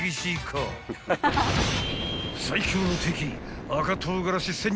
［最強の敵］